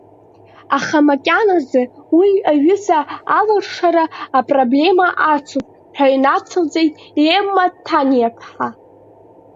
Аха макьаназы уи аҩыза алыршара апроблема ацуп, ҳәа нацылҵеит Емма Ҭаниаԥҳа.